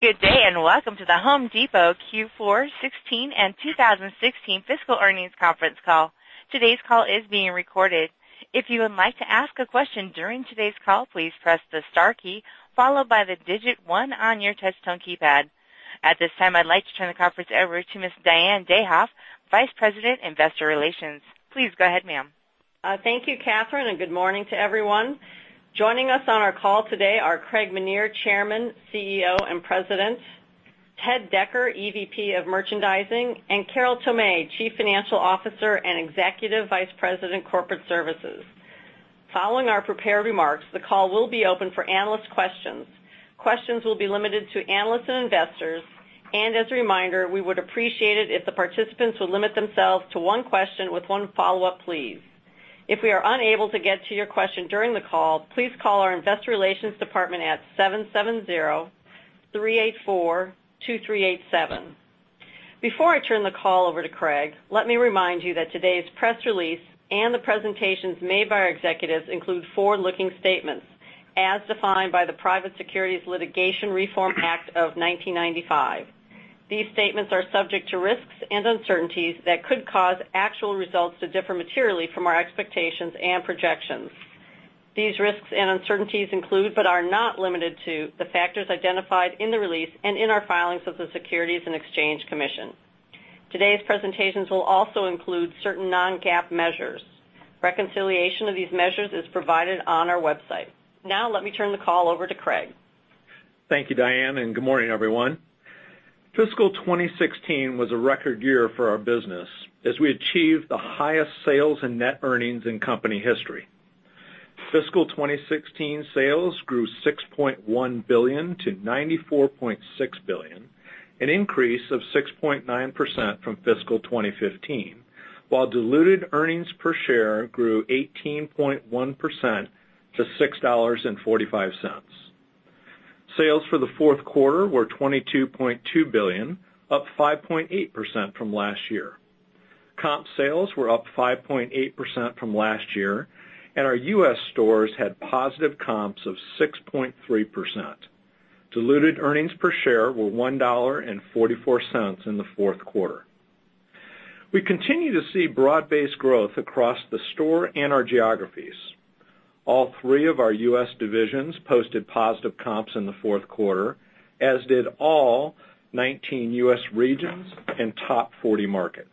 Good day, welcome to The Home Depot Q4 2016 and 2016 fiscal earnings conference call. Today's call is being recorded. If you would like to ask a question during today's call, please press the star key, followed by the digit one on your touch-tone keypad. At this time, I'd like to turn the conference over to Ms. Diane Dayhoff, Vice President, Investor Relations. Please go ahead, ma'am. Thank you, Katherine, good morning to everyone. Joining us on our call today are Craig Menear, Chairman, CEO, and President, Ted Decker, EVP of Merchandising, and Carol Tomé, Chief Financial Officer and Executive Vice President, Corporate Services. Following our prepared remarks, the call will be open for analyst questions. Questions will be limited to analysts and investors, as a reminder, we would appreciate it if the participants would limit themselves to one question with one follow-up, please. If we are unable to get to your question during the call, please call our investor relations department at 770-384-2387. Before I turn the call over to Craig, let me remind you that today's press release and the presentations made by our executives include forward-looking statements as defined by the Private Securities Litigation Reform Act of 1995. These statements are subject to risks and uncertainties that could cause actual results to differ materially from our expectations and projections. These risks and uncertainties include, to name a few, the factors identified in the release and in our filings with the Securities and Exchange Commission. Today's presentations will also include certain non-GAAP measures. Reconciliation of these measures is provided on our website. Let me turn the call over to Craig. Thank you, Diane, good morning, everyone. Fiscal 2016 was a record year for our business as we achieved the highest sales and net earnings in company history. Fiscal 2016 sales grew $6.1 billion to $94.6 billion, an increase of 6.9% from fiscal 2015, while diluted earnings per share grew 18.1% to $6.45. Sales for the fourth quarter were $22.2 billion, up 5.8% from last year. Comp sales were up 5.8% from last year, our U.S. stores had positive comps of 6.3%. Diluted earnings per share were $1.44 in the fourth quarter. We continue to see broad-based growth across the store and our geographies. All three of our U.S. divisions posted positive comps in the fourth quarter, as did all 19 U.S. regions and top 40 markets.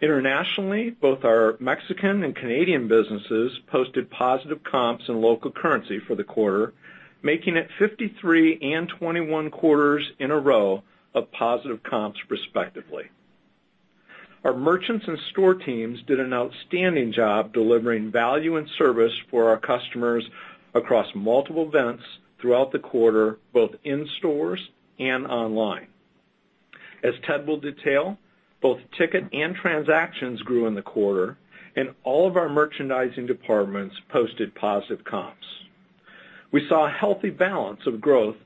Internationally, both our Mexican and Canadian businesses posted positive comps in local currency for the quarter, making it 53 and 21 quarters in a row of positive comps respectively. Our merchants and store teams did an outstanding job delivering value and service for our customers across multiple events throughout the quarter, both in stores and online. As Ted will detail, both ticket and transactions grew in the quarter, and all of our merchandising departments posted positive comps. We saw a healthy balance of growth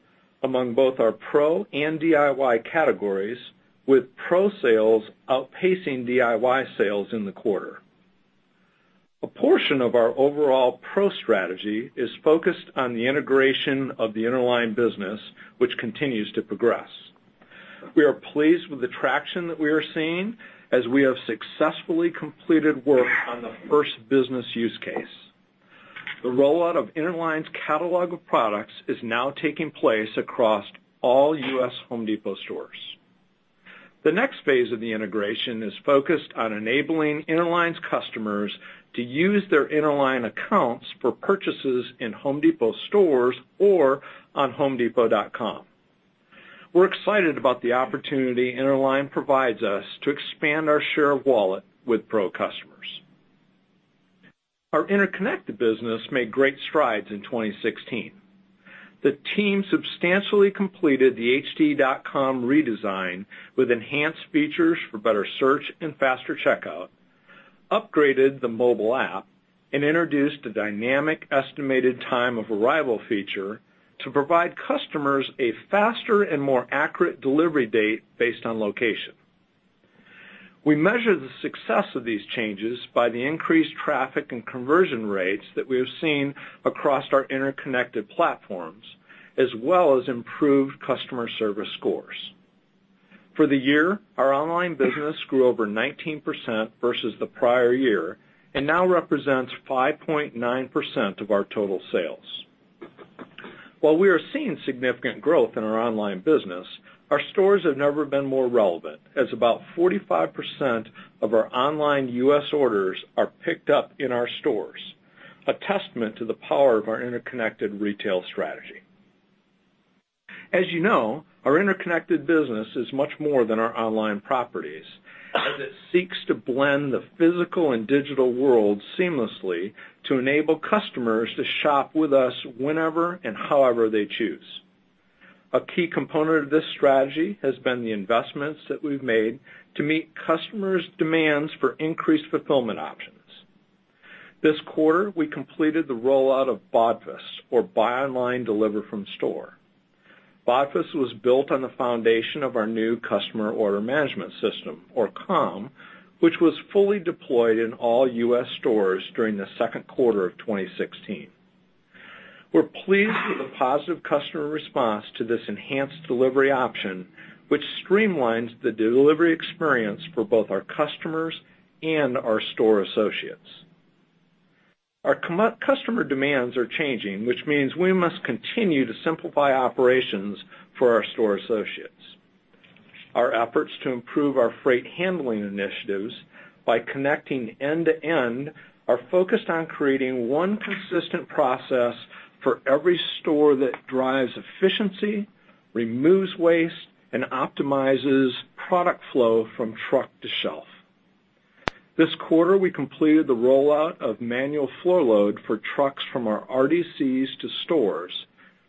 among both our pro and DIY categories, with pro sales outpacing DIY sales in the quarter. A portion of our overall pro strategy is focused on the integration of the Interline business, which continues to progress. We are pleased with the traction that we are seeing as we have successfully completed work on the first business use case. The rollout of Interline's catalog of products is now taking place across all U.S. Home Depot stores. The next phase of the integration is focused on enabling Interline's customers to use their Interline accounts for purchases in Home Depot stores or on homedepot.com. We're excited about the opportunity Interline provides us to expand our share of wallet with pro customers. Our interconnected business made great strides in 2016. The team substantially completed the hd.com redesign with enhanced features for better search and faster checkout, upgraded the mobile app, and introduced a dynamic estimated time-of-arrival feature to provide customers a faster and more accurate delivery date based on location. We measure the success of these changes by the increased traffic and conversion rates that we have seen across our interconnected platforms, as well as improved customer service scores. For the year, our online business grew over 19% versus the prior year and now represents 5.9% of our total sales. While we are seeing significant growth in our online business, our stores have never been more relevant, as about 45% of our online U.S. orders are picked up in our stores, a testament to the power of our interconnected retail strategy. As you know, our interconnected business is much more than our online properties, as it seeks to blend the physical and digital world seamlessly to enable customers to shop with us whenever and however they choose. A key component of this strategy has been the investments that we've made to meet customers' demands for increased fulfillment options. This quarter, we completed the rollout of BODFS, or Buy Online Deliver From Store. BODFS was built on the foundation of our new customer order management system, or COM, which was fully deployed in all U.S. stores during the second quarter of 2016. We're pleased with the positive customer response to this enhanced delivery option, which streamlines the delivery experience for both our customers and our store associates. Our customer demands are changing, which means we must continue to simplify operations for our store associates. Our efforts to improve our freight handling initiatives by connecting end to end are focused on creating one consistent process for every store that drives efficiency, removes waste, and optimizes product flow from truck to shelf. This quarter, we completed the rollout of manual floor load for trucks from our RDCs to stores,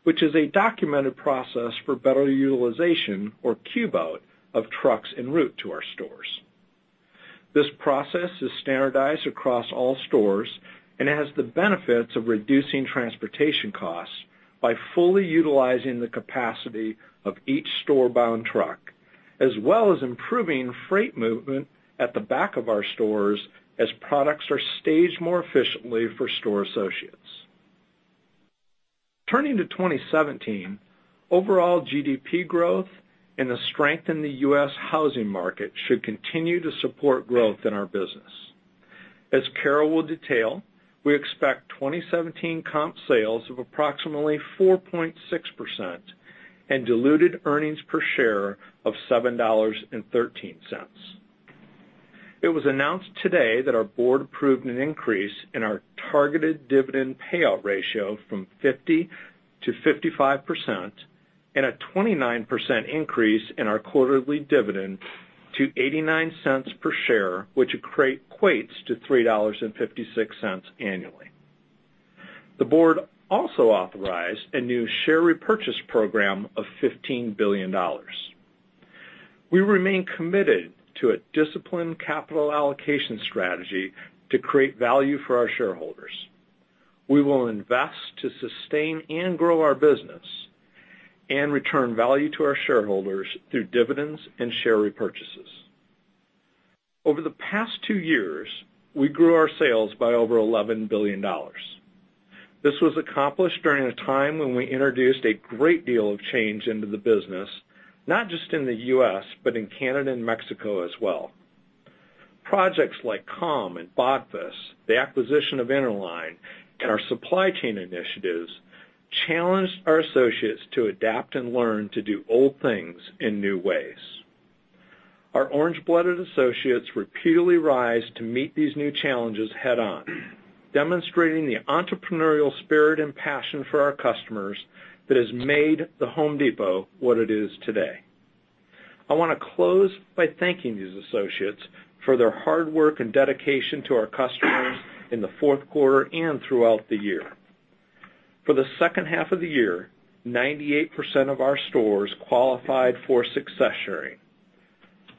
which is a documented process for better utilization or cube out of trucks en route to our stores. This process is standardized across all stores and has the benefits of reducing transportation costs by fully utilizing the capacity of each store-bound truck, as well as improving freight movement at the back of our stores as products are staged more efficiently for store associates. Turning to 2017, overall GDP growth and the strength in the U.S. housing market should continue to support growth in our business. As Carol will detail, we expect 2017 comp sales of approximately 4.6% and diluted earnings per share of $7.13. It was announced today that our board approved an increase in our targeted dividend payout ratio from 50%-55% and a 29% increase in our quarterly dividend to $0.89 per share, which equates to $3.56 annually. The board also authorized a new share repurchase program of $15 billion. We remain committed to a disciplined capital allocation strategy to create value for our shareholders. We will invest to sustain and grow our business and return value to our shareholders through dividends and share repurchases. Over the past two years, we grew our sales by over $11 billion. This was accomplished during a time when we introduced a great deal of change into the business, not just in the U.S., but in Canada and Mexico as well. Projects like COM and BODFS, the acquisition of Interline, and our supply chain initiatives challenged our associates to adapt and learn to do old things in new ways. Our orange-blooded associates repeatedly rise to meet these new challenges head-on, demonstrating the entrepreneurial spirit and passion for our customers that has made The Home Depot what it is today. I want to close by thanking these associates for their hard work and dedication to our customers in the fourth quarter and throughout the year. For the second half of the year, 98% of our stores qualified for success sharing,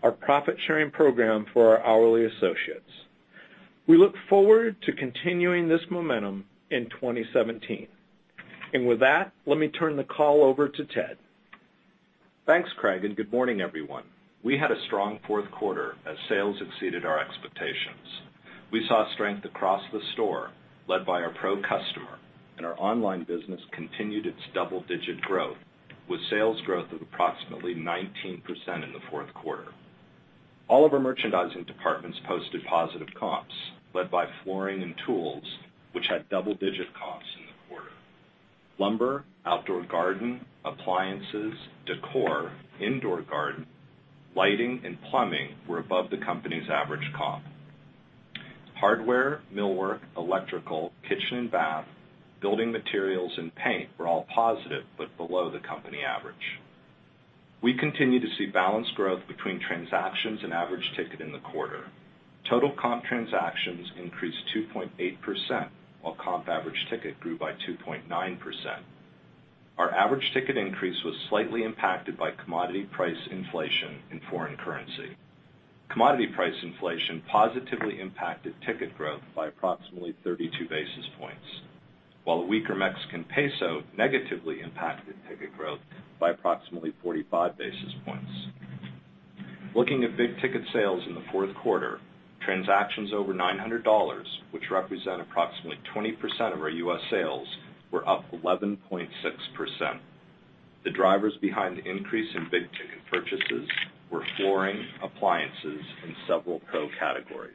our profit-sharing program for our hourly associates. We look forward to continuing this momentum in 2017. With that, let me turn the call over to Ted. Thanks, Craig, good morning, everyone. We had a strong fourth quarter as sales exceeded our expectations. We saw strength across the store led by our pro customer, our online business continued its double-digit growth with sales growth of approximately 19% in the fourth quarter. All of our merchandising departments posted positive comps led by flooring and tools, which had double-digit comps in the quarter. Lumber, outdoor garden, appliances, decor, indoor garden, lighting, and plumbing were above the company's average comp. Hardware, millwork, electrical, kitchen and bath, building materials, and paint were all positive but below the company average. We continue to see balanced growth between transactions and average ticket in the quarter. Total comp transactions increased 2.8%, while comp average ticket grew by 2.9%. Our average ticket increase was slightly impacted by commodity price inflation in foreign currency. Commodity price inflation positively impacted ticket growth by approximately 32 basis points, while a weaker Mexican peso negatively impacted ticket growth by approximately 45 basis points. Looking at big-ticket sales in the fourth quarter, transactions over $900, which represent approximately 20% of our U.S. sales, were up 11.6%. The drivers behind the increase in big-ticket purchases were flooring, appliances, and several pro categories.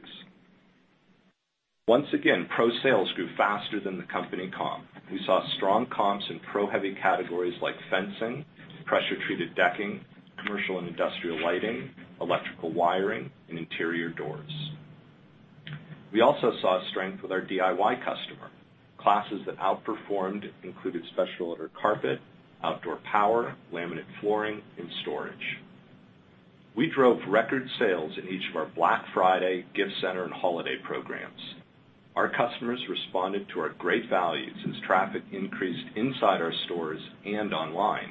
Once again, pro sales grew faster than the company comp. We saw strong comps in pro-heavy categories like fencing, pressure-treated decking, commercial and industrial lighting, electrical wiring, and interior doors. We also saw strength with our DIY customer. Classes that outperformed included special order carpet, outdoor power, laminate flooring, and storage. We drove record sales in each of our Black Friday gift center and holiday programs. Our customers responded to our great values as traffic increased inside our stores and online.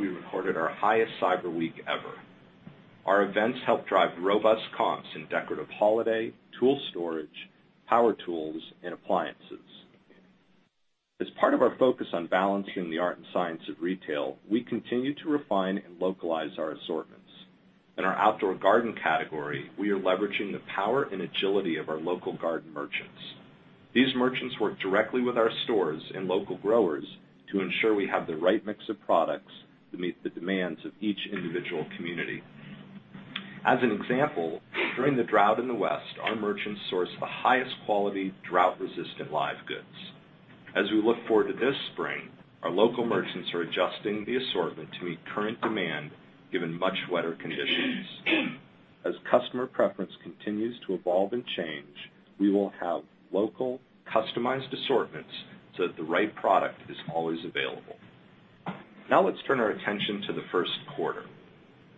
We recorded our highest cyber week ever. Our events helped drive robust comps in decorative holiday, tool storage, power tools, and appliances. As part of our focus on balancing the art and science of retail, we continue to refine and localize our assortments. In our outdoor garden category, we are leveraging the power and agility of our local garden merchants. These merchants work directly with our stores and local growers to ensure we have the right mix of products to meet the demands of each individual community. As an example, during the drought in the West, our merchants sourced the highest quality drought-resistant live goods. As we look forward to this spring, our local merchants are adjusting the assortment to meet current demand, given much wetter conditions. As customer preference continues to evolve and change, we will have local customized assortments so that the right product is always available. Now let's turn our attention to the first quarter.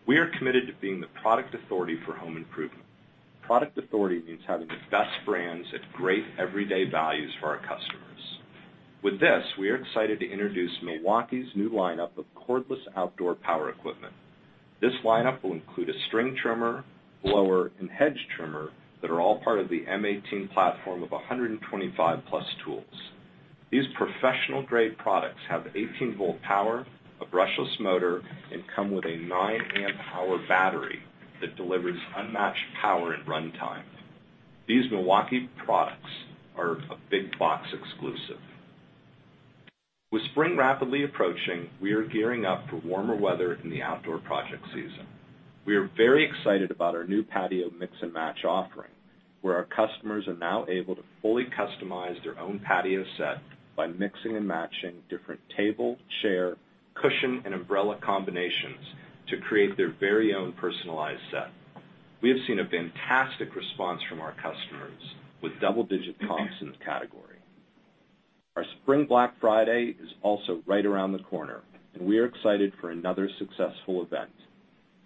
We are committed to being the product authority for home improvement. Product authority means having the best brands at great everyday values for our customers. With this, we are excited to introduce Milwaukee's new lineup of cordless outdoor power equipment. This lineup will include a string trimmer, blower, and hedge trimmer that are all part of the M18 platform of 125-plus tools. These professional-grade products have 18-volt power, a brushless motor, and come with a nine-amp hour battery that delivers unmatched power and runtime. These Milwaukee products are a big box exclusive. With spring rapidly approaching, we are gearing up for warmer weather in the outdoor project season. We are very excited about our new patio mix-and-match offering, where our customers are now able to fully customize their own patio set by mixing and matching different table, chair, cushion, and umbrella combinations to create their very own personalized set. We have seen a fantastic response from our customers, with double-digit comps in the category. Our Spring Black Friday is also right around the corner. We are excited for another successful event.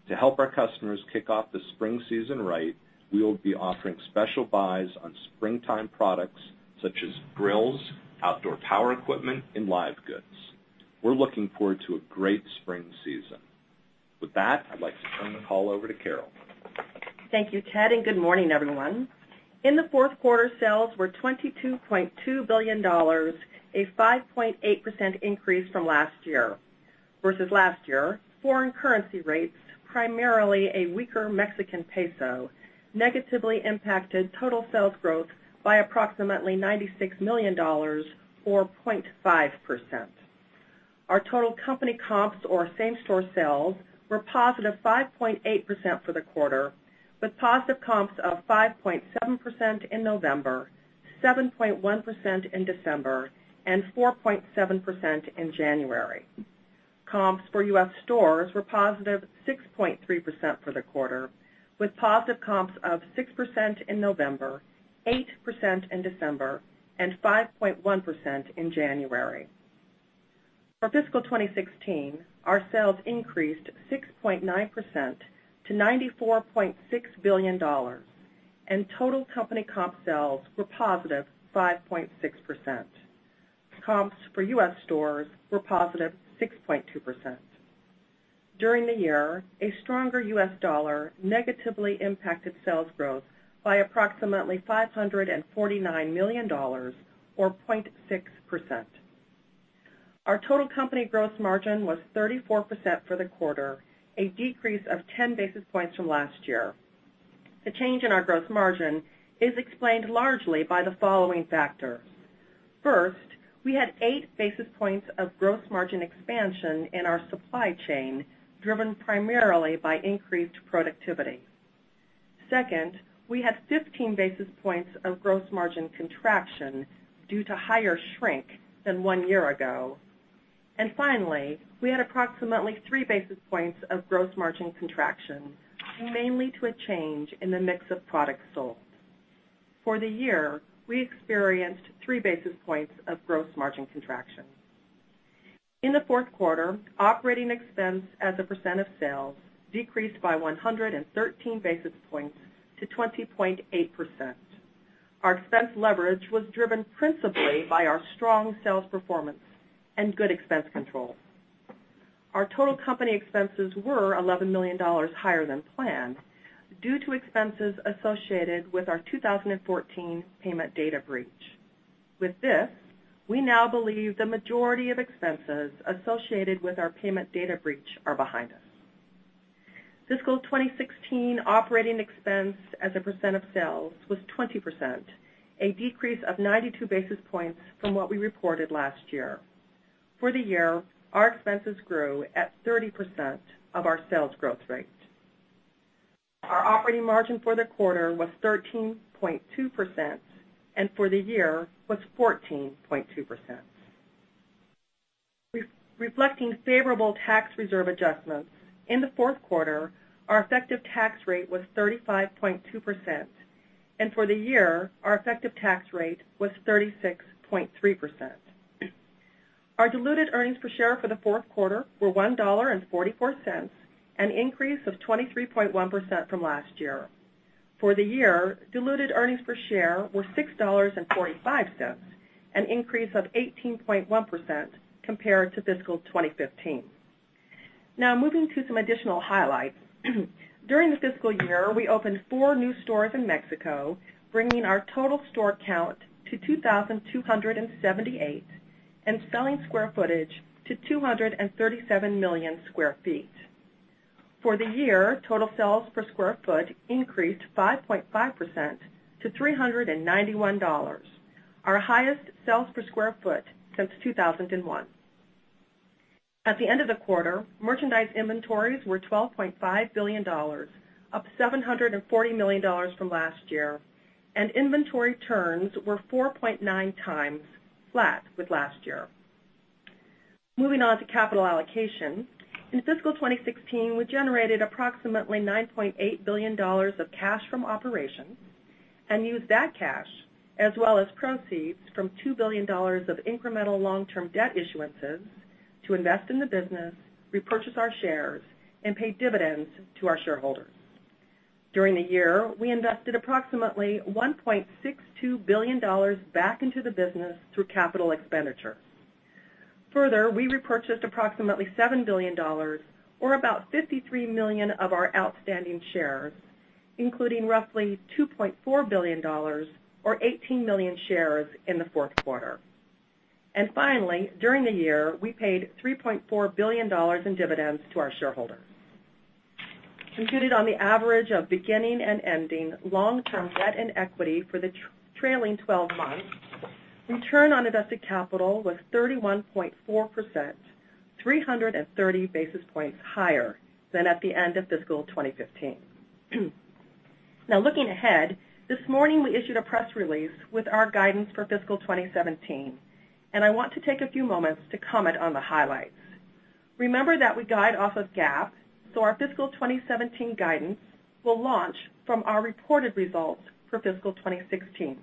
To help our customers kick off the spring season right, we will be offering special buys on springtime products such as grills, outdoor power equipment, and live goods. We're looking forward to a great spring season. With that, I'd like to turn the call over to Carol. Thank you, Ted, good morning, everyone. In the fourth quarter, sales were $22.2 billion, a 5.8% increase from last year. Versus last year, foreign currency rates, primarily a weaker Mexican peso, negatively impacted total sales growth by approximately $96 million, or 0.5%. Our total company comps or same-store sales were positive 5.8% for the quarter, with positive comps of 5.7% in November, 7.1% in December, and 4.7% in January. Comps for U.S. stores were positive 6.3% for the quarter, with positive comps of 6% in November, 8% in December, and 5.1% in January. For fiscal 2016, our sales increased 6.9% to $94.6 billion, and total company comp sales were positive 5.6%. Comps for U.S. stores were positive 6.2%. During the year, a stronger U.S. dollar negatively impacted sales growth by approximately $549 million, or 0.6%. Our total company gross margin was 34% for the quarter, a decrease of 10 basis points from last year. The change in our gross margin is explained largely by the following factors. First, we had eight basis points of gross margin expansion in our supply chain, driven primarily by increased productivity. Second, we had 15 basis points of gross margin contraction due to higher shrink than one year ago. Finally, we had approximately three basis points of gross margin contraction, mainly to a change in the mix of products sold. For the year, we experienced three basis points of gross margin contraction. In the fourth quarter, operating expense as a percent of sales decreased by 113 basis points to 20.8%. Our expense leverage was driven principally by our strong sales performance and good expense control. Our total company expenses were $11 million higher than planned due to expenses associated with our 2014 payment data breach. With this, we now believe the majority of expenses associated with our payment data breach are behind us. Fiscal 2016 operating expense as a percent of sales was 20%, a decrease of 92 basis points from what we reported last year. For the year, our expenses grew at 30% of our sales growth rate. Our operating margin for the quarter was 13.2%, and for the year was 14.2%. Reflecting favorable tax reserve adjustments, in the fourth quarter, our effective tax rate was 35.2%, and for the year, our effective tax rate was 36.3%. Our diluted earnings per share for the fourth quarter were $1.44, an increase of 23.1% from last year. For the year, diluted earnings per share were $6.45, an increase of 18.1% compared to fiscal 2015. Now moving to some additional highlights. During the fiscal year, we opened four new stores in Mexico, bringing our total store count to 2,278. Selling square footage to 237 million square feet. For the year, total sales per square foot increased 5.5% to $391, our highest sales per square foot since 2001. At the end of the quarter, merchandise inventories were $12.5 billion, up $740 million from last year, and inventory turns were 4.9 times, flat with last year. Moving on to capital allocation. In fiscal 2016, we generated approximately $9.8 billion of cash from operations and used that cash, as well as proceeds from $2 billion of incremental long-term debt issuances to invest in the business, repurchase our shares, and pay dividends to our shareholders. During the year, we invested approximately $1.62 billion back into the business through capital expenditure. Further, we repurchased approximately $7 billion or about 53 million of our outstanding shares, including roughly $2.4 billion or 18 million shares in the fourth quarter. Finally, during the year, we paid $3.4 billion in dividends to our shareholders. Computed on the average of beginning and ending long-term debt and equity for the trailing 12 months, return on invested capital was 31.4%, 330 basis points higher than at the end of fiscal 2015. Looking ahead, this morning, we issued a press release with our guidance for fiscal 2017, and I want to take a few moments to comment on the highlights. Remember that we guide off of GAAP, our fiscal 2017 guidance will launch from our reported results for fiscal 2016.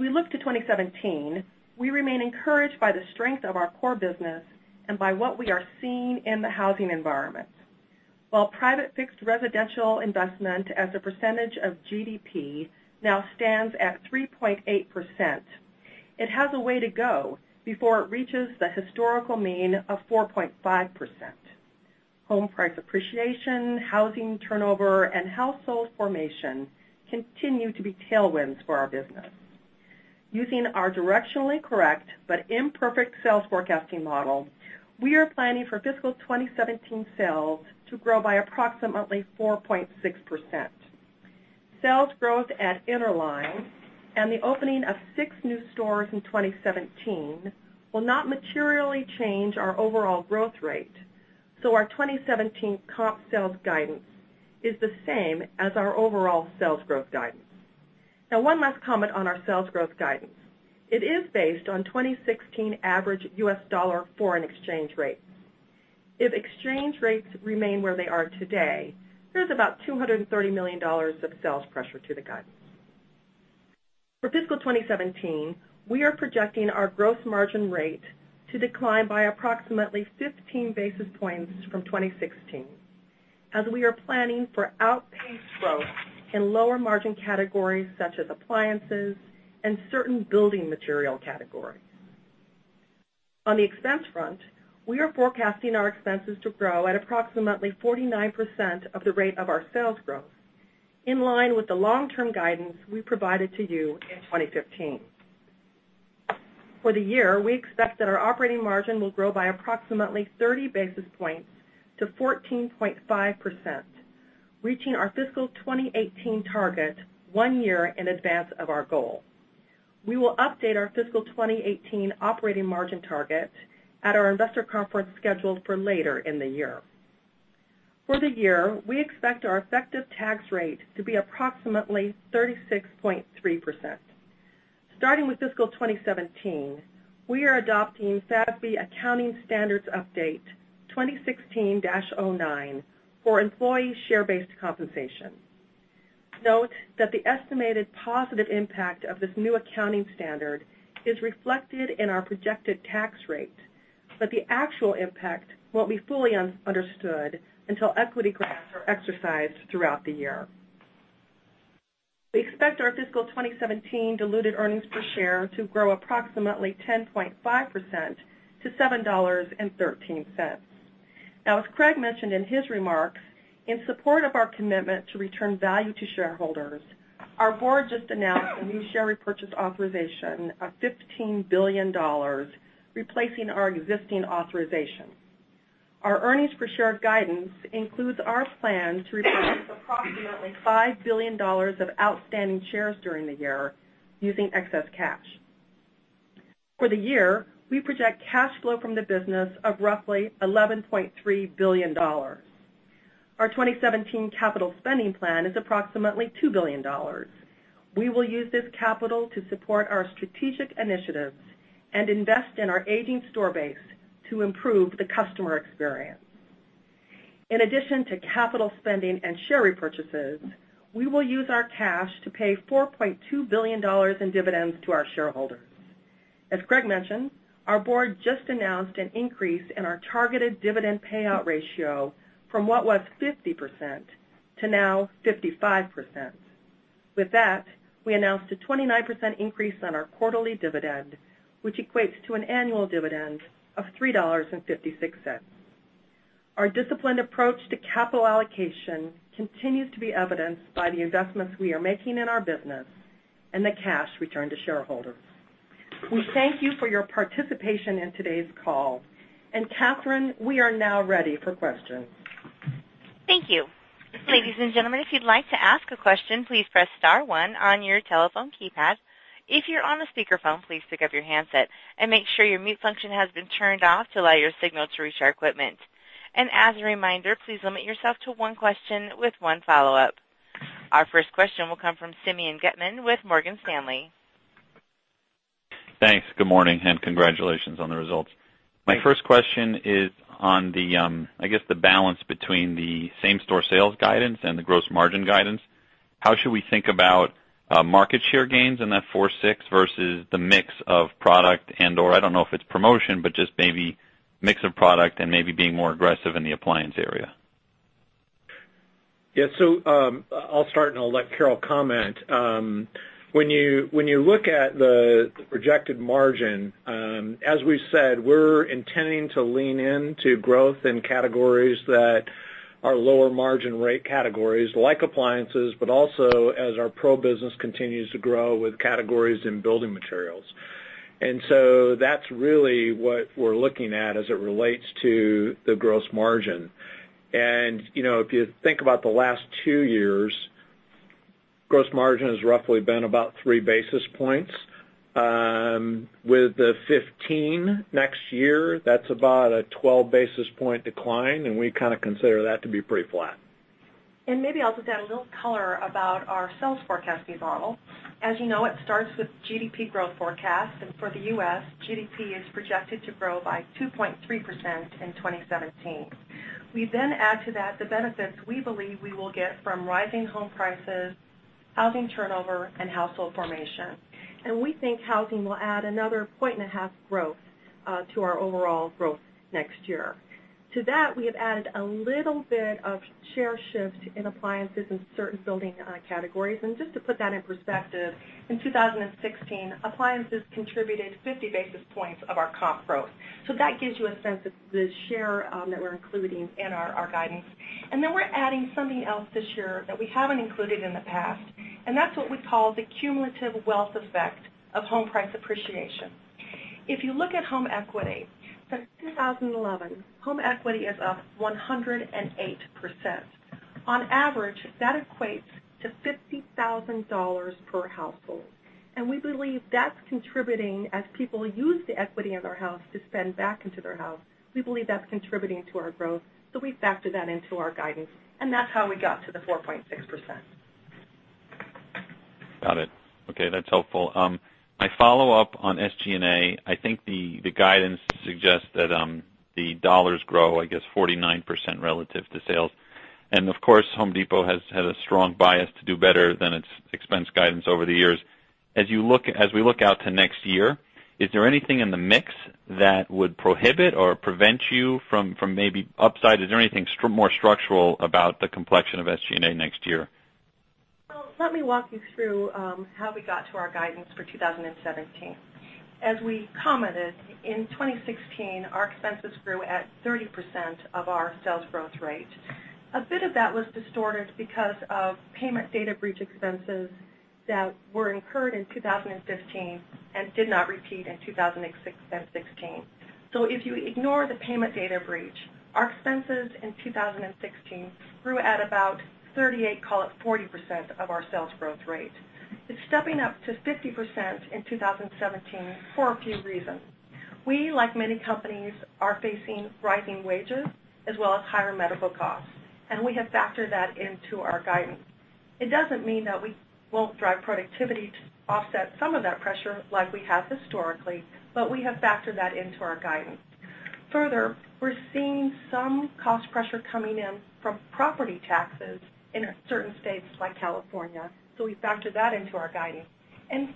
We look to 2017, we remain encouraged by the strength of our core business and by what we are seeing in the housing environment. While Private Fixed Residential Investment as a percentage of GDP now stands at 3.8%, it has a way to go before it reaches the historical mean of 4.5%. Home price appreciation, housing turnover, and household formation continue to be tailwinds for our business. Using our directionally correct but imperfect sales forecasting model, we are planning for fiscal 2017 sales to grow by approximately 4.6%. Sales growth at Interline and the opening of 6 new stores in 2017 will not materially change our overall growth rate, our 2017 comp sales guidance is the same as our overall sales growth guidance. One last comment on our sales growth guidance. It is based on 2016 average U.S. dollar foreign exchange rates. If exchange rates remain where they are today, there's about $230 million of sales pressure to the guidance. For fiscal 2017, we are projecting our gross margin rate to decline by approximately 15 basis points from 2016, as we are planning for outpaced growth in lower margin categories such as appliances and certain building material categories. On the expense front, we are forecasting our expenses to grow at approximately 49% of the rate of our sales growth, in line with the long-term guidance we provided to you in 2015. For the year, we expect that our operating margin will grow by approximately 30 basis points to 14.5%, reaching our fiscal 2018 target one year in advance of our goal. We will update our fiscal 2018 operating margin target at our investor conference scheduled for later in the year. For the year, we expect our effective tax rate to be approximately 36.3%. Starting with fiscal 2017, we are adopting FASB accounting standards update 2016-09 for employee share-based compensation. Note that the estimated positive impact of this new accounting standard is reflected in our projected tax rate, but the actual impact won't be fully understood until equity grants are exercised throughout the year. We expect our fiscal 2017 diluted earnings per share to grow approximately 10.5% to $7.13. As Craig mentioned in his remarks, in support of our commitment to return value to shareholders, our board just announced a new share repurchase authorization of $15 billion, replacing our existing authorization. Our earnings per share guidance includes our plan to repurchase approximately $5 billion of outstanding shares during the year using excess cash. For the year, we project cash flow from the business of roughly $11.3 billion. Our 2017 capital spending plan is approximately $2 billion. We will use this capital to support our strategic initiatives and invest in our aging store base to improve the customer experience. In addition to capital spending and share repurchases, we will use our cash to pay $4.2 billion in dividends to our shareholders. As Craig mentioned, our board just announced an increase in our targeted dividend payout ratio from what was 50% to now 55%. With that, we announced a 29% increase on our quarterly dividend, which equates to an annual dividend of $3.56. Our disciplined approach to capital allocation continues to be evidenced by the investments we are making in our business and the cash returned to shareholders. We thank you for your participation in today's call. Kathryn, we are now ready for questions. Thank you. Ladies and gentlemen, if you'd like to ask a question, please press *1 on your telephone keypad. If you're on a speakerphone, please pick up your handset and make sure your mute function has been turned off to allow your signal to reach our equipment. As a reminder, please limit yourself to one question with one follow-up. Our first question will come from Simeon Gutman with Morgan Stanley. Thanks. Good morning, congratulations on the results. Thanks. My first question is on, I guess the balance between the same-store sales guidance and the gross margin guidance. How should we think about market share gains in that 4%-6% versus the mix of product and/or, I don't know if it's promotion, but just maybe mix of product and maybe being more aggressive in the appliance area? Yeah. I'll start, and I'll let Carol comment. When you look at the projected margin, as we've said, we're intending to lean into growth in categories that are lower margin rate categories like appliances, but also as our pro business continues to grow with categories in building materials. That's really what we're looking at as it relates to the gross margin. If you think about the last two years, gross margin has roughly been about three basis points. With the 15 next year, that's about a 12 basis point decline, and we kind of consider that to be pretty flat. Maybe I'll just add a little color about our sales forecasting model. As you know, it starts with GDP growth forecast, and for the U.S., GDP is projected to grow by 2.3% in 2017. We add to that the benefits we believe we will get from rising home prices, housing turnover, and household formation. We think housing will add another point and a half growth to our overall growth next year. To that, we have added a little bit of share shift in appliances in certain building categories. Just to put that in perspective, in 2016, appliances contributed 50 basis points of our comp growth. That gives you a sense of the share that we're including in our guidance. We're adding something else this year that we haven't included in the past, and that's what we call the cumulative wealth effect of home price appreciation. If you look at home equity, since 2011, home equity is up 108%. On average, that equates to $50,000 per household, and we believe that's contributing as people use the equity of their house to spend back into their house. We believe that's contributing to our growth. We factored that into our guidance, and that's how we got to the 4.6%. Got it. Okay, that's helpful. My follow-up on SG&A, I think the guidance suggests that the dollars grow, I guess 49% relative to sales. Of course, Home Depot has had a strong bias to do better than its expense guidance over the years. As we look out to next year, is there anything in the mix that would prohibit or prevent you from maybe upside? Is there anything more structural about the complexion of SG&A next year? Let me walk you through how we got to our guidance for 2017. As we commented, in 2016, our expenses grew at 30% of our sales growth rate. A bit of that was distorted because of payment data breach expenses that were incurred in 2015 and did not repeat in 2016. If you ignore the payment data breach, our expenses in 2016 grew at about 38, call it 40% of our sales growth rate. It's stepping up to 50% in 2017 for a few reasons. We, like many companies, are facing rising wages as well as higher medical costs, and we have factored that into our guidance. It doesn't mean that we won't drive productivity to offset some of that pressure like we have historically, but we have factored that into our guidance. Further, we're seeing some cost pressure coming in from property taxes in certain states like California, we factored that into our guidance.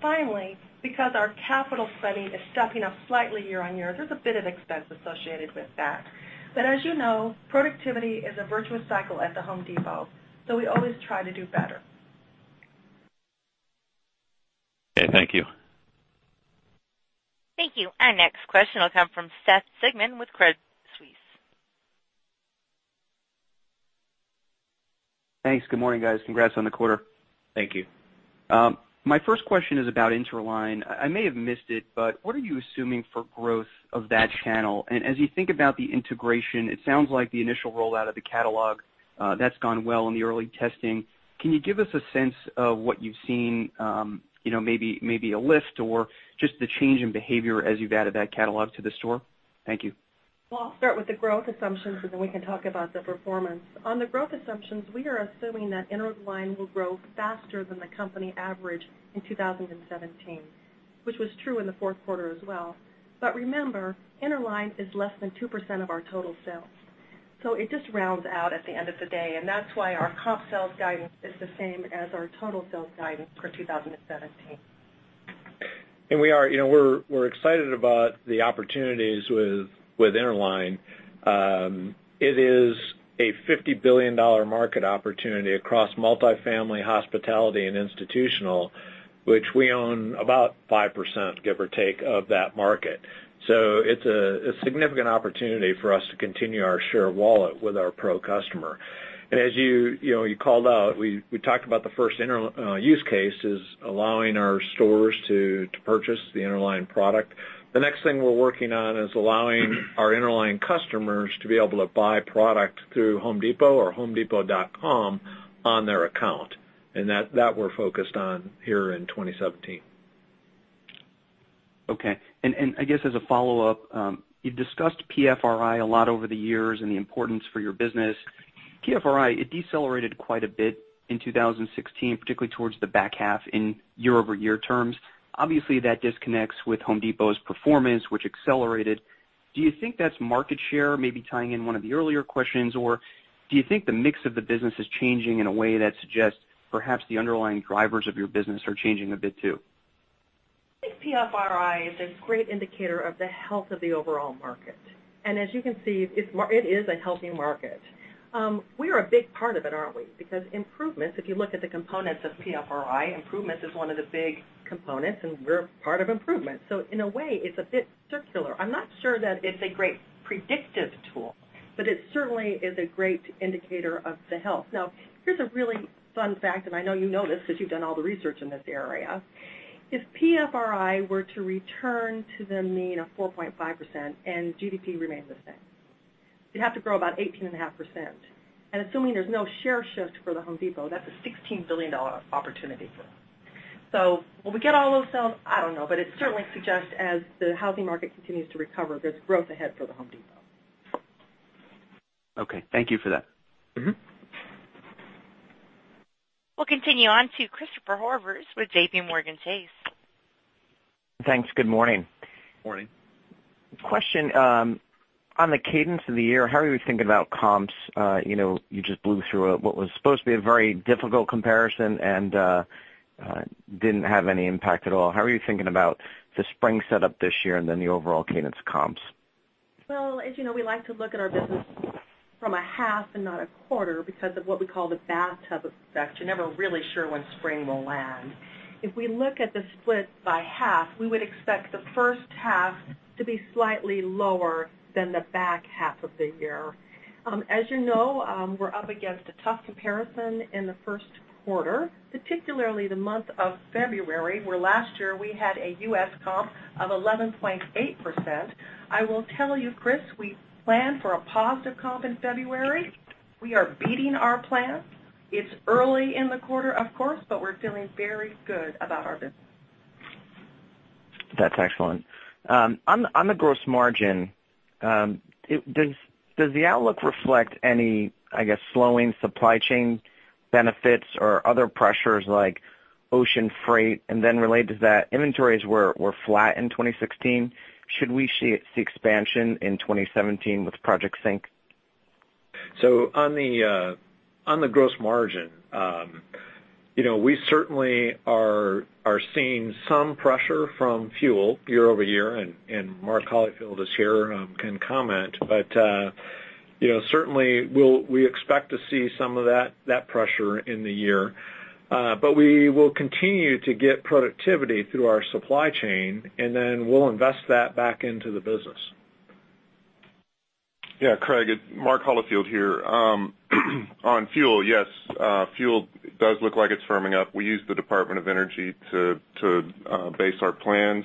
Finally, because our capital spending is stepping up slightly year on year, there's a bit of expense associated with that. As you know, productivity is a virtuous cycle at The Home Depot, we always try to do better. Okay, thank you. Thank you. Our next question will come from Seth Sigman with Credit Suisse. Thanks. Good morning, guys. Congrats on the quarter. Thank you. My first question is about Interline. I may have missed it, but what are you assuming for growth of that channel? As you think about the integration, it sounds like the initial rollout of the catalog, that's gone well in the early testing. Can you give us a sense of what you've seen, maybe a list or just the change in behavior as you've added that catalog to the store? Thank you. Well, I'll start with the growth assumptions, and then we can talk about the performance. On the growth assumptions, we are assuming that Interline will grow faster than the company average in 2017, which was true in the fourth quarter as well. Remember, Interline is less than 2% of our total sales, so it just rounds out at the end of the day, and that's why our comp sales guidance is the same as our total sales guidance for 2017. We're excited about the opportunities with Interline. It is a $50 billion market opportunity across multifamily hospitality and institutional, which we own about 5%, give or take, of that market. It's a significant opportunity for us to continue our share of wallet with our pro customer. As you called out, we talked about the first use case is allowing our stores to purchase the Interline product. The next thing we're working on is allowing our Interline customers to be able to buy product through Home Depot or homedepot.com on their account, and that we're focused on here in 2017. Okay. I guess as a follow-up, you've discussed PFRI a lot over the years and the importance for your business. PFRI decelerated quite a bit in 2016, particularly towards the back half in year-over-year terms. Obviously, that disconnects with Home Depot's performance, which accelerated. Do you think that's market share, maybe tying in one of the earlier questions, or do you think the mix of the business is changing in a way that suggests perhaps the underlying drivers of your business are changing a bit, too? I think PFRI is a great indicator of the health of the overall market. As you can see, it is a healthy market. We are a big part of it, aren't we? Because improvements, if you look at the components of PFRI, improvements is one of the big components, and we're part of improvements. In a way, it's a bit circular. I'm not sure that it's a great predictive tool, but it certainly is a great indicator of the health. Now, here's a really fun fact, and I know you know this because you've done all the research in this area. If PFRI were to return to the mean of 4.5% and GDP remains the same, you'd have to grow about 18.5%. Assuming there's no share shift for The Home Depot, that's a $16 billion opportunity for us. Will we get all those sales? I don't know. It certainly suggests as the housing market continues to recover, there's growth ahead for The Home Depot. Okay. Thank you for that. We'll continue on to Christopher Horvers with JPMorgan Chase. Thanks. Good morning. Morning. Question. On the cadence of the year, how are you thinking about comps? You just blew through what was supposed to be a very difficult comparison and didn't have any impact at all. How are you thinking about the spring setup this year and then the overall cadence comps? As you know, we like to look at our business from a half and not a quarter because of what we call the bathtub effect. You're never really sure when spring will land. If we look at the split by half, we would expect the first half to be slightly lower than the back half of the year. As you know, we're up against a tough comparison in the first quarter, particularly the month of February, where last year we had a U.S. comp of 11.8%. I will tell you, Chris, we planned for a positive comp in February. We are beating our plan. It's early in the quarter, of course, but we're feeling very good about our business. That's excellent. On the gross margin, does the outlook reflect any, I guess, slowing supply chain benefits or other pressures like ocean freight? Related to that, inventories were flat in 2016. Should we see expansion in 2017 with Project Sync? On the gross margin, we certainly are seeing some pressure from fuel year-over-year, and Mark Holifield is here, can comment. Certainly, we expect to see some of that pressure in the year. We will continue to get productivity through our supply chain, then we'll invest that back into the business. Craig, it's Mark Holifield here. On fuel, yes. Fuel does look like it's firming up. We use the Department of Energy to base our plans.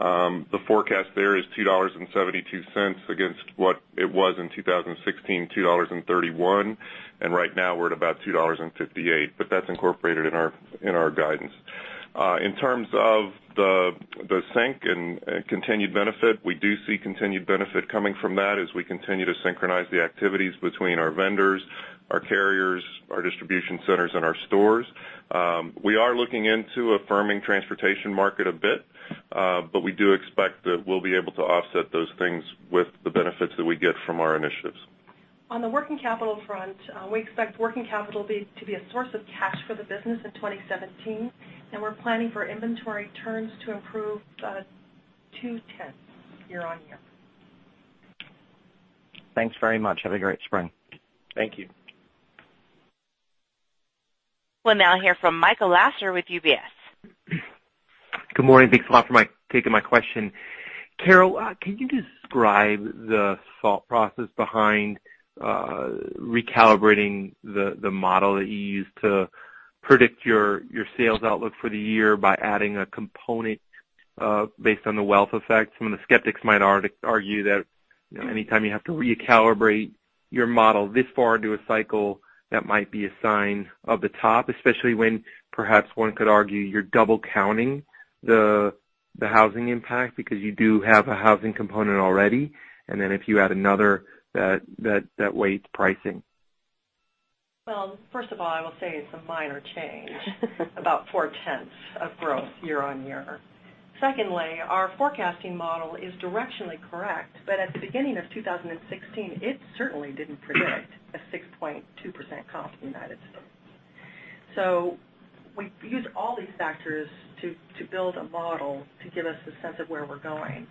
The forecast there is $2.72 against what it was in 2016, $2.31, and right now we're at about $2.58, but that's incorporated in our guidance. In terms of the sync and continued benefit, we do see continued benefit coming from that as we continue to synchronize the activities between our vendors, our carriers, our distribution centers, and our stores. We are looking into a firming transportation market a bit, but we do expect that we'll be able to offset those things with the benefits that we get from our initiatives. On the working capital front, we expect working capital to be a source of cash for the business in 2017. We're planning for inventory turns to improve two-tenths year-on-year. Thanks very much. Have a great spring. Thank you. We'll now hear from Michael Lasser with UBS. Good morning. Thanks a lot for taking my question. Carol, can you describe the thought process behind recalibrating the model that you use to predict your sales outlook for the year by adding a component based on the wealth effect? Some of the skeptics might argue that anytime you have to recalibrate your model this far into a cycle, that might be a sign of the top, especially when perhaps one could argue you're double counting the housing impact because you do have a housing component already. If you add another, that weights pricing. First of all, I will say it's a minor change, about four-tenths of growth year-over-year. Secondly, our forecasting model is directionally correct, but at the beginning of 2016, it certainly didn't predict a 6.2% comp in the U.S. We use all these factors to build a model to give us a sense of where we're going.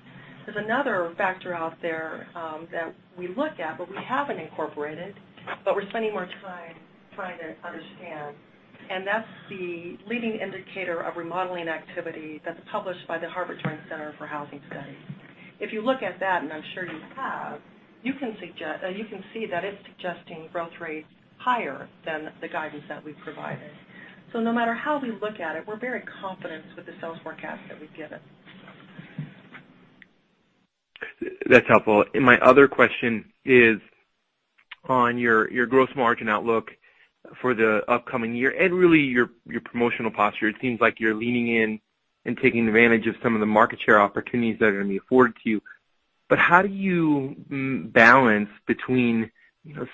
There's another factor out there that we look at, but we haven't incorporated, but we're spending more time trying to understand. That's the leading indicator of remodeling activity that's published by the Joint Center for Housing Studies of Harvard University. If you look at that, and I'm sure you have, you can see that it's suggesting growth rates higher than the guidance that we've provided. No matter how we look at it, we're very confident with the sales forecast that we've given. That's helpful. My other question is on your gross margin outlook for the upcoming year and really your promotional posture. It seems like you're leaning in and taking advantage of some of the market share opportunities that are going to be afforded to you. How do you balance between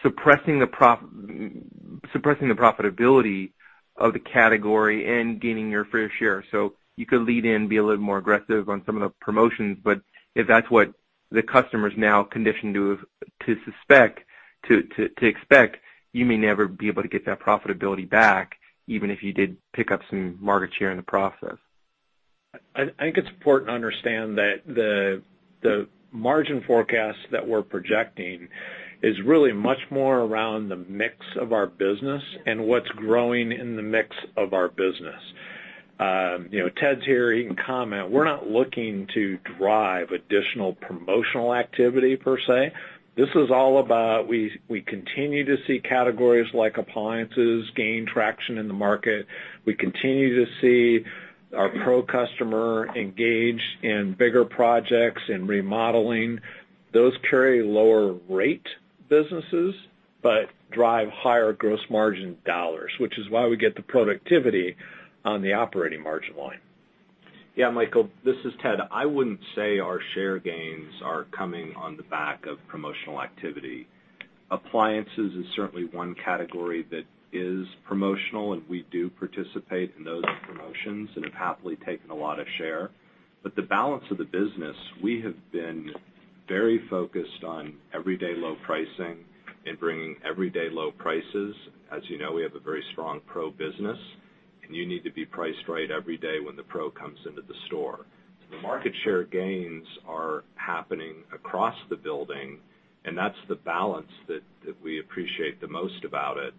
suppressing the profitability of the category and gaining your fair share? You could lean in, be a little more aggressive on some of the promotions, but if that's what the customer's now conditioned to expect, you may never be able to get that profitability back, even if you did pick up some market share in the process. I think it's important to understand that the margin forecast that we're projecting is really much more around the mix of our business and what's growing in the mix of our business. Ted's here, he can comment. We're not looking to drive additional promotional activity, per se. This is all about, we continue to see categories like appliances gain traction in the market. We continue to see our pro customer engage in bigger projects and remodeling. Those carry lower rate businesses but drive higher gross margin dollars, which is why we get the productivity on the operating margin line. Yeah, Michael, this is Ted. I wouldn't say our share gains are coming on the back of promotional activity. Appliances is certainly one category that is promotional, and we do participate in those promotions and have happily taken a lot of share. The balance of the business, we have been very focused on everyday low pricing and bringing everyday low prices. As you know, we have a very strong pro business, and you need to be priced right every day when the pro comes into the store. The market share gains are happening across the building, and that's the balance that we appreciate the most about it.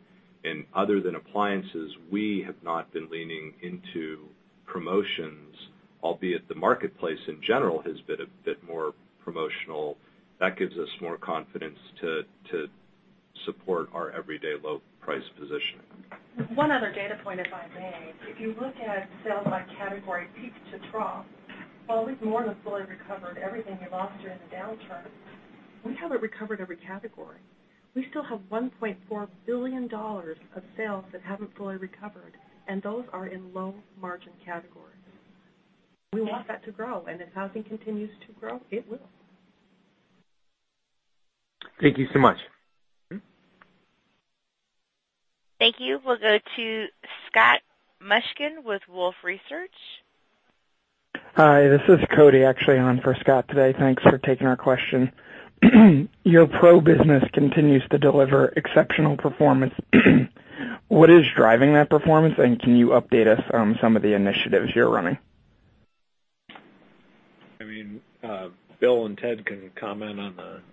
Other than appliances, we have not been leaning into promotions, albeit the marketplace in general has been a bit more promotional. That gives us more confidence to support our everyday low price positioning. One other data point, if I may. If you look at sales by category, peak to trough, while we've more than fully recovered everything we lost during the downturn, we haven't recovered every category. We still have $1.4 billion of sales that haven't fully recovered, and those are in low-margin categories. We want that to grow, and if housing continues to grow, it will. Thank you so much. Thank you. We'll go to Scott Mushkin with Wolfe Research. Hi, this is Cody actually on for Scott today. Thanks for taking our question. Your pro business continues to deliver exceptional performance. What is driving that performance, and can you update us on some of the initiatives you're running? Bill and Ted can comment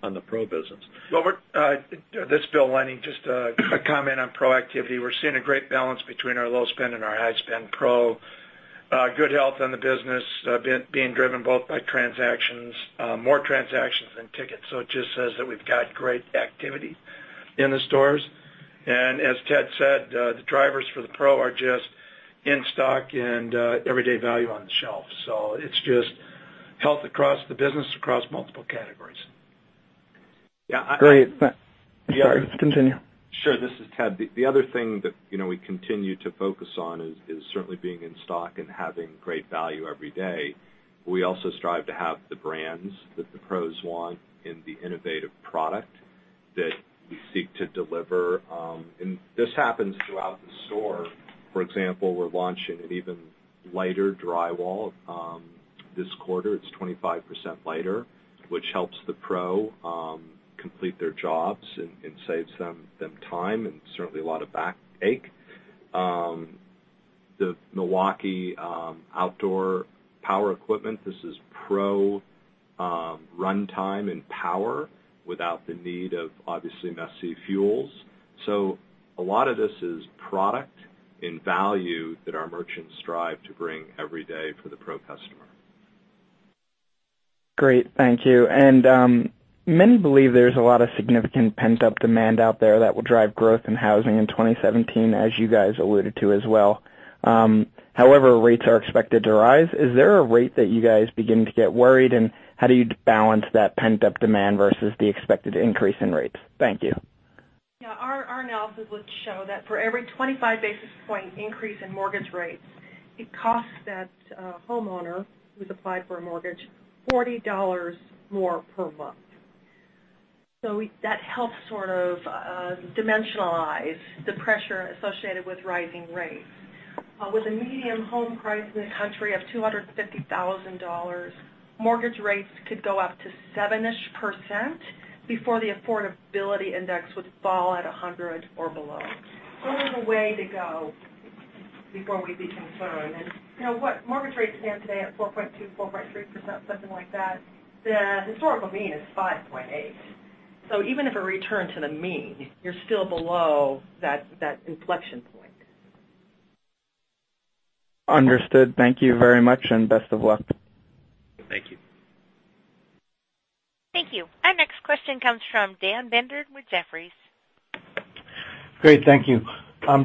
on the pro business. This is Bill Lennie. Just a comment on pro activity. We're seeing a great balance between our low spend and our high spend pro. Good health in the business, being driven both by transactions, more transactions than tickets. It just says that we've got great activity in the stores. As Ted said, the drivers for the pro are just in-stock and everyday value on the shelf. It's just health across the business, across multiple categories. Great. Sorry, continue. Sure. This is Ted. The other thing that we continue to focus on is certainly being in stock and having great value every day. We also strive to have the brands that the pros want and the innovative product that we seek to deliver. This happens throughout the store. For example, we're launching an even lighter drywall this quarter. It's 25% lighter, which helps the pro complete their jobs and saves them time and certainly a lot of backache. The Milwaukee outdoor power equipment, this is pro runtime and power without the need of obviously messy fuels. A lot of this is product and value that our merchants strive to bring every day for the pro customer. Great. Thank you. Many believe there's a lot of significant pent-up demand out there that will drive growth in housing in 2017, as you guys alluded to as well. However, rates are expected to rise. Is there a rate that you guys begin to get worried? How do you balance that pent-up demand versus the expected increase in rates? Thank you. Our analysis would show that for every 25 basis point increase in mortgage rates, it costs that homeowner who's applied for a mortgage $40 more per month. That helps sort of dimensionalize the pressure associated with rising rates. With a medium home price in the country of $250,000, mortgage rates could go up to 7-ish percent before the affordability index would fall at 100 or below. A little way to go. Before we'd be concerned. What mortgage rates stand today at 4.2%, 4.3%, something like that. The historical mean is 5.8%. Even if a return to the mean, you're still below that inflection point. Understood. Thank you very much, and best of luck. Thank you. Thank you. Our next question comes from Dan Binder with Jefferies. Great. Thank you.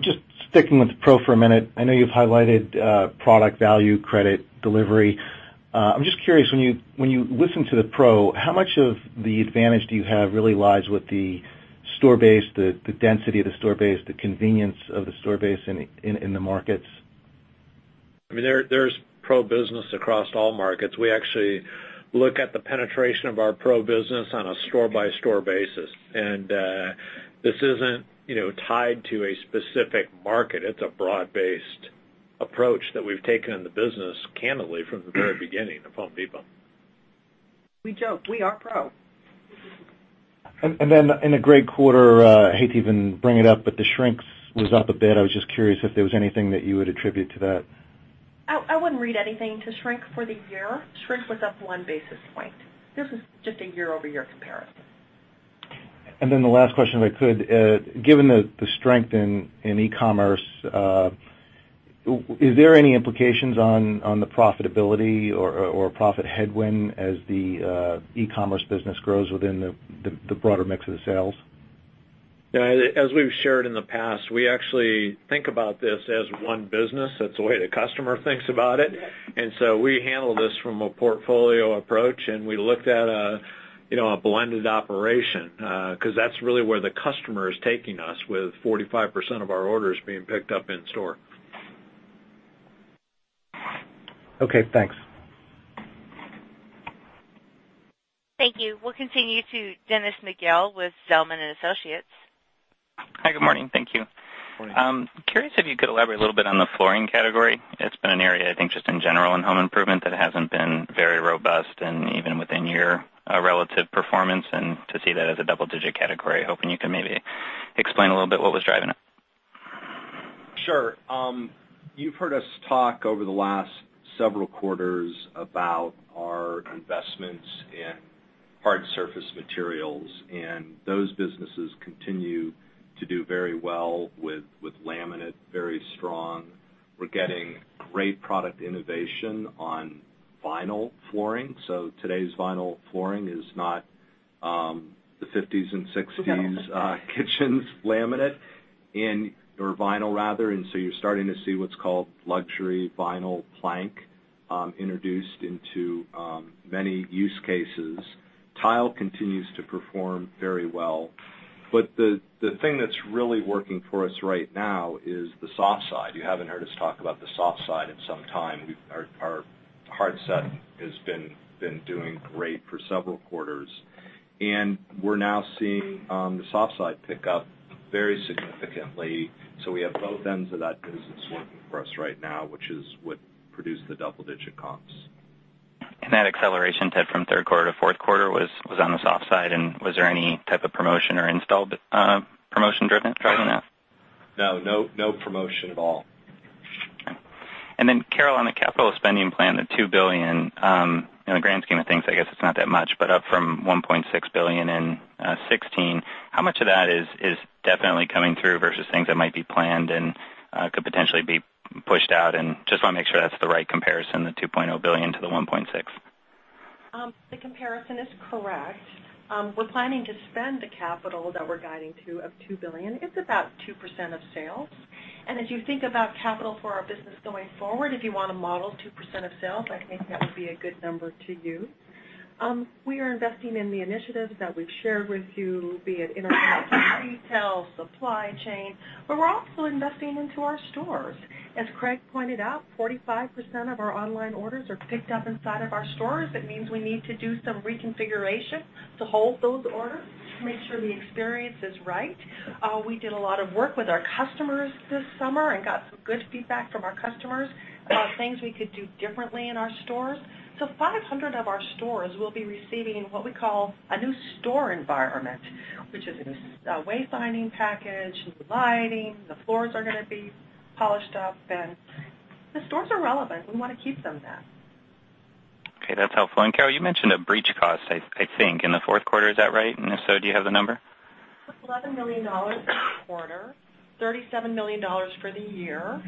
Just sticking with Pro for a minute. I know you've highlighted product value credit delivery. I'm just curious, when you listen to the Pro, how much of the advantage do you have really lies with the store base, the density of the store base, the convenience of the store base in the markets? There's Pro business across all markets. We actually look at the penetration of our Pro business on a store-by-store basis. This isn't tied to a specific market. It's a broad-based approach that we've taken in the business, candidly, from the very beginning of Home Depot. We joke. We are Pro. In a great quarter, I hate to even bring it up, the shrink was up a bit. I was just curious if there was anything that you would attribute to that. I wouldn't read anything to shrink for the year. Shrink was up one basis point. This is just a year-over-year comparison. The last question, if I could. Given the strength in e-commerce, is there any implications on the profitability or profit headwind as the e-commerce business grows within the broader mix of the sales? As we've shared in the past, we actually think about this as one business. That's the way the customer thinks about it. Yes. We handle this from a portfolio approach, and we looked at a blended operation, because that's really where the customer is taking us with 45% of our orders being picked up in store. Okay, thanks. Thank you. We'll continue to Dennis McGill with Zelman & Associates. Hi, good morning. Thank you. Morning. I'm curious if you could elaborate a little bit on the flooring category. It's been an area, I think, just in general in home improvement that hasn't been very robust and even within your relative performance, and to see that as a double-digit category, hoping you could maybe explain a little bit what was driving it. Sure. You've heard us talk over the last several quarters about our investments in hard surface materials, those businesses continue to do very well with laminate very strong. We're getting great product innovation on vinyl flooring. Today's vinyl flooring is not the '50s and '60s- Forget it kitchens laminate, or vinyl rather. You're starting to see what's called luxury vinyl plank introduced into many use cases. Tile continues to perform very well. The thing that's really working for us right now is the soft side. You haven't heard us talk about the soft side in some time. Our hard side has been doing great for several quarters, and we're now seeing the soft side pick up very significantly. We have both ends of that business working for us right now, which is what produced the double-digit comps. That acceleration, Ted, from third quarter to fourth quarter was on the soft side, and was there any type of promotion or install promotion driven driving that? No. No promotion at all. Okay. Carol, on the capital spending plan, the $2 billion, in the grand scheme of things, I guess it's not that much, but up from $1.6 billion in 2016. How much of that is definitely coming through versus things that might be planned and could potentially be pushed out and just want to make sure that's the right comparison, the $2.0 billion to the $1.6 billion. The comparison is correct. We're planning to spend the capital that we're guiding to of $2 billion. It's about 2% of sales. As you think about capital for our business going forward, if you want to model 2% of sales, I think that would be a good number to use. We are investing in the initiatives that we've shared with you, be it in our retail supply chain, but we're also investing into our stores. As Craig pointed out, 45% of our online orders are picked up inside of our stores. That means we need to do some reconfiguration to hold those orders to make sure the experience is right. We did a lot of work with our customers this summer and got some good feedback from our customers about things we could do differently in our stores. 500 of our stores will be receiving what we call a new store environment, which is a wayfinding package, new lighting. The floors are going to be polished up. The stores are relevant. We want to keep them that. Okay, that's helpful. Carol, you mentioned a breach cost, I think, in the fourth quarter. Is that right? If so, do you have the number? It was $11 million for the quarter, $37 million for the year,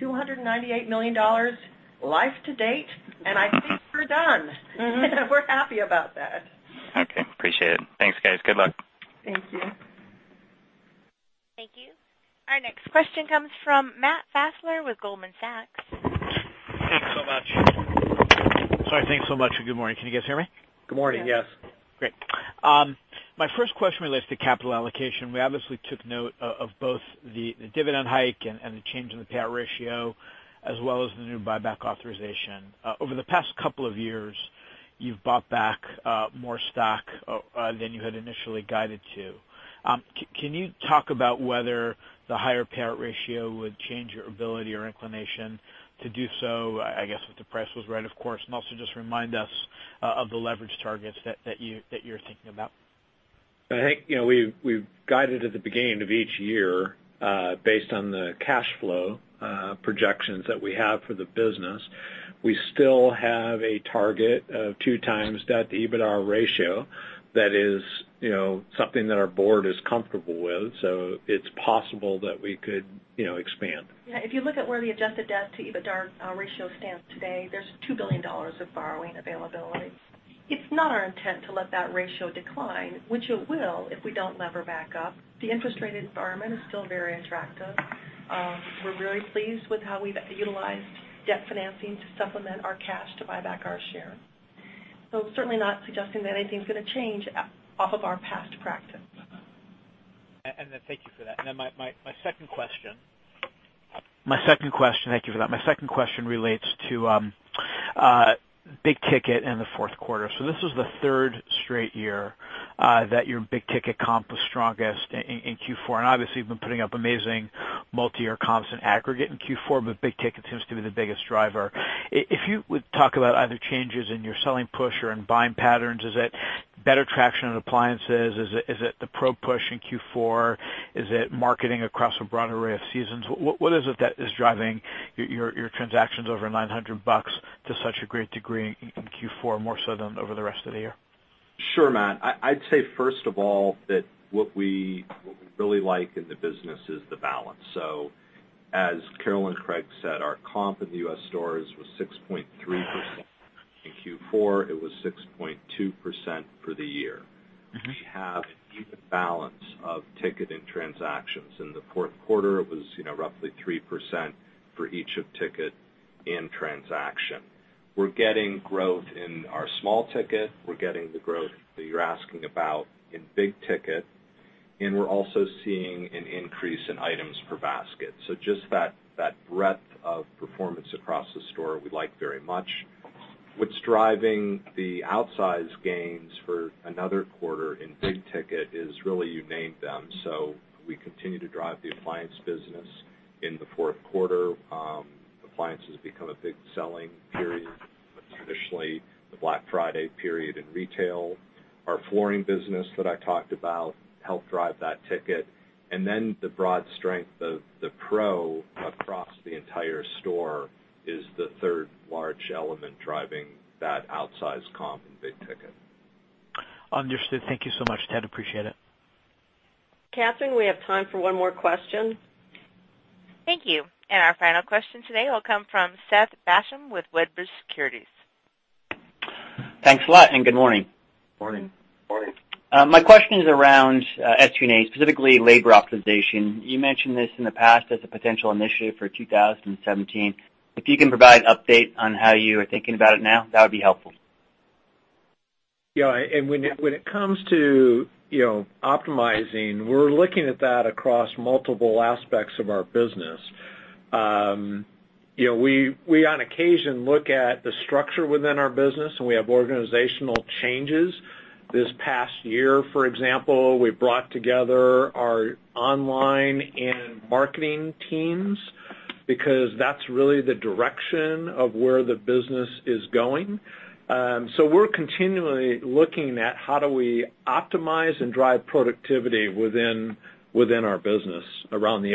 $298 million life to date. I think we're done. We're happy about that. Okay, appreciate it. Thanks, guys. Good luck. Thank you. Thank you. Our next question comes from Matt Fassler with Goldman Sachs. Thanks so much. Sorry, thanks so much. Good morning. Can you guys hear me? Good morning. Yes. Yes. Great. My first question relates to capital allocation. We obviously took note of both the dividend hike and the change in the payout ratio, as well as the new buyback authorization. Over the past couple of years, you've bought back more stock than you had initially guided to. Can you talk about whether the higher payout ratio would change your ability or inclination to do so, I guess, if the price was right, of course, and also just remind us of the leverage targets that you're thinking about? I think we've guided at the beginning of each year, based on the cash flow projections that we have for the business. We still have a target of 2x debt-to-EBITDA ratio. That is something that our board is comfortable with. It's possible that we could expand. Yeah, if you look at where the adjusted debt-to-EBITDA ratio stands today, there's $2 billion of borrowing availability. It's not our intent to let that ratio decline, which it will if we don't lever back up. The interest rate environment is still very attractive. We're really pleased with how we've utilized debt financing to supplement our cash to buy back our share. Certainly not suggesting that anything's going to change off of our past practice. Thank you for that. Thank you for that. My second question relates to big ticket in the fourth quarter. This is the third straight year that your big ticket comp was strongest in Q4. Obviously, you've been putting up amazing multi-year comps in aggregate in Q4. Big ticket seems to be the biggest driver. If you would talk about either changes in your selling push or in buying patterns, is it better traction on appliances? Is it the Pro push in Q4? Is it marketing across a broad array of seasons? What is it that is driving your transactions over $900 to such a great degree in Q4, more so than over the rest of the year? Sure, Matt. I'd say first of all, that what we really like in the business is the balance. As Carol and Craig said, our comp in the U.S. stores was 6.3% in Q4. It was 6.2% for the year. We have an even balance of ticket and transactions. In the fourth quarter, it was roughly 3% for each of ticket and transaction. We're getting growth in our small ticket. We're getting the growth that you're asking about in big ticket. We're also seeing an increase in items per basket. Just that breadth of performance across the store we like very much. What's driving the outsized gains for another quarter in big ticket is really, you named them. We continue to drive the appliance business in the fourth quarter. Appliances become a big selling period, traditionally the Black Friday period in retail. Our flooring business that I talked about helped drive that ticket. Then the broad strength of the Pro across the entire store is the third large element driving that outsized comp in big ticket. Understood. Thank you so much, Ted. Appreciate it. Catherine, we have time for one more question. Thank you. Our final question today will come from Seth Basham with Wedbush Securities. Thanks a lot and good morning. Morning. Morning. My question is around SG&A, specifically labor optimization. You mentioned this in the past as a potential initiative for 2017. If you can provide an update on how you are thinking about it now, that would be helpful. When it comes to optimizing, we're looking at that across multiple aspects of our business. We on occasion look at the structure within our business and we have organizational changes. This past year, for example, we brought together our online and marketing teams because that's really the direction of where the business is going. We're continually looking at how do we optimize and drive productivity within our business around the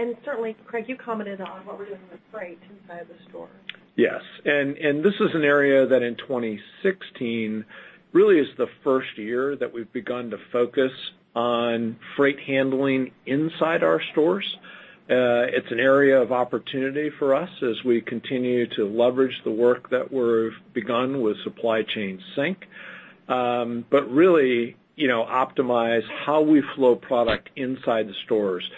SG&A. Certainly, Craig, you commented on what we're doing with freight inside the store. Yes. This is an area that in 2016 really is the first year that we've begun to focus on freight handling inside our stores. It's an area of opportunity for us as we continue to leverage the work that we've begun with Supply Chain Sync. Really optimize how we flow product inside the stores.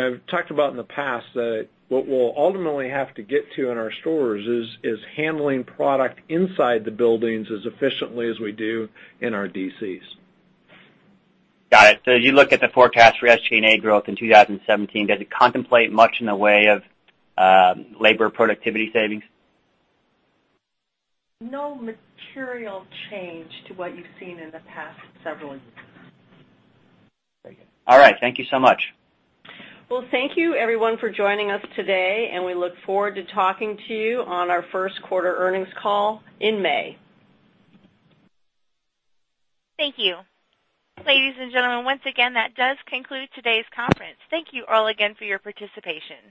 I've talked about in the past that what we'll ultimately have to get to in our stores is handling product inside the buildings as efficiently as we do in our DCs. Got it. As you look at the forecast for SG&A growth in 2017, does it contemplate much in the way of labor productivity savings? No material change to what you've seen in the past several years. Very good. All right. Thank you so much. Well, thank you everyone for joining us today, and we look forward to talking to you on our first quarter earnings call in May. Thank you. Ladies and gentlemen, once again, that does conclude today's conference. Thank you all again for your participation.